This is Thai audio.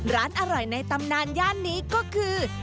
ร้านอร่อยในตำนานย่านนี้ก็คือ